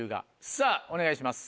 さぁお願いします。